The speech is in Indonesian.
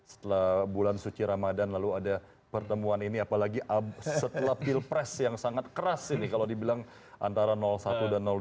setelah bulan suci ramadan lalu ada pertemuan ini apalagi setelah pilpres yang sangat keras ini kalau dibilang antara satu dan dua